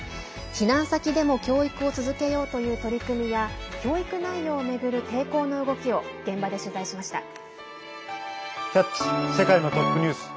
避難先でも教育を続けようという取り組みや教育内容を巡る抵抗の動きを現場で取材しました。